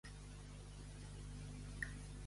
I quina sensació interior notaven?